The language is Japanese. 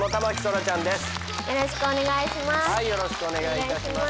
よろしくお願いします。